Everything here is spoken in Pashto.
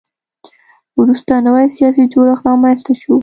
وروسته نوی سیاسي جوړښت رامنځته شو